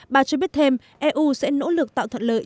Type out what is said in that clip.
bà cho biết thêm eu sẽ nỗ lực tạo thuận lợi